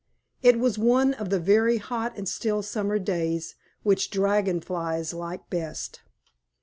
It was one of the very hot and still summer days, which Dragon Flies like best.